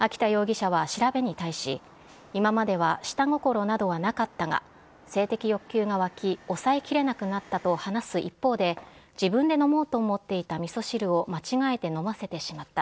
秋田容疑者は調べに対し今までは下心などはなかったが性的欲求が湧き抑えきれなくなったと話す一方で自分で飲もうと思っていた味噌汁を間違えて飲ませてしまった。